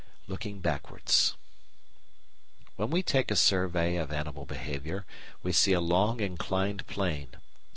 § 9 Looking Backwards When we take a survey of animal behaviour we see a long inclined plane.